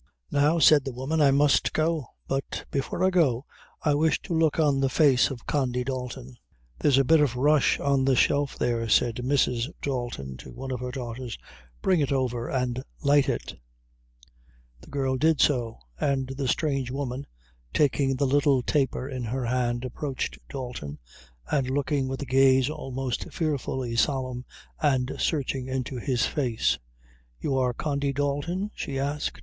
"Now," said the woman, "I must go; but before I go, I wish to look on the face of Condy Dalton." "There's a bit of rush on the shelf there," said Mrs. Dalton to one of her daughters; "bring it over and light it." The girl did so, and the strange woman, taking the little taper in her hand, approached Dalton, and looking with a gaze almost fearfully solemn and searching into his face. "You are Condy Dalton?" she asked.